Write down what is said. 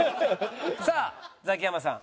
さあザキヤマさん。